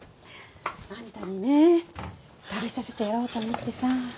あんたにね食べさせてやろうと思ってさ。